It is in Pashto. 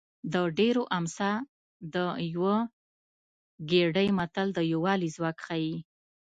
د ډېرو امسا د یوه ګېډۍ متل د یووالي ځواک ښيي